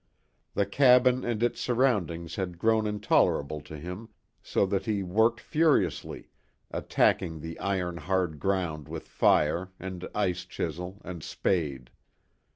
The cabin and its surroundings had grown intolerable to him, so that he worked furiously, attacking the iron hard ground with fire, and ice chisel, and spade.